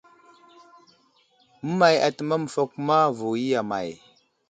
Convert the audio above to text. Əmay atəmeŋ məfakoma vo i iya may ?